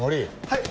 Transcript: はい！